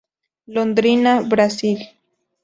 Londrina, Brasil.